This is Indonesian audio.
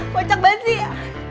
wacak basi ya